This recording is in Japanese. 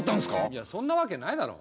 いやそんなわけないだろ。